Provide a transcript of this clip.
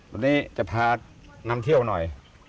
วันนี้จะพานำเที่ยวหน่อย